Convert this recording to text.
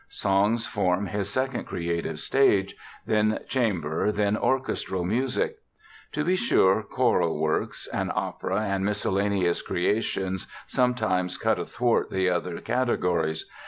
Songs form his second creative stage, then chamber, then orchestral music. To be sure, choral works, an opera and miscellaneous creations sometimes cut athwart the other categories.